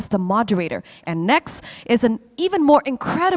pemirsa dan pemirsa